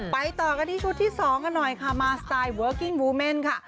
ต่อกันที่ชุดที่๒กันหน่อยค่ะมาสไตล์เวิร์กกิ้งวูเม่นค่ะ